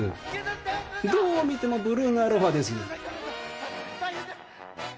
どう見てもブルーのアロハです。